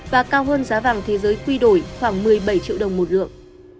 và cao hơn giá vàng thế giới quy đổi khoảng một mươi bảy triệu đồng một lượng